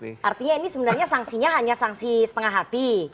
artinya ini sebenarnya sanksinya hanya sanksi setengah hati